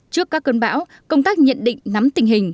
trước các cơn bão công tác nhận định nắm tình hình